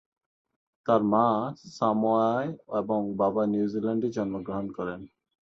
তার মা সামোয়ায় এবং বাবা নিউজিল্যান্ডে জন্মগ্রহণ করেন।